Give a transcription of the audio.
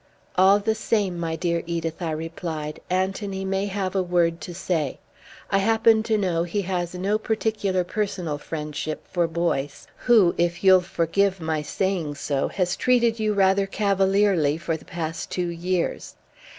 "All the same, my dear Edith," I replied, "Anthony may have a word to say. I happen to know he has no particular personal friendship for Boyce, who, if you'll forgive my saying so, has treated you rather cavalierly for the past two years.